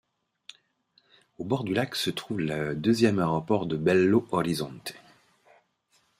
Au bord du lac se trouve le deuxième aéroport de Belo Horizonte.